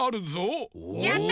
やった！